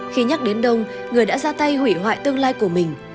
khi nhắc đến đông người đã ra tay hủy hoại tương lai của mình